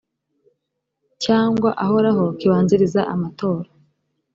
cyangwa ahoraho kibanziriza amatora